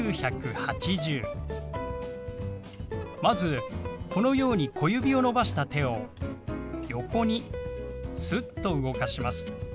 まずこのように小指を伸ばした手を横にすっと動かします。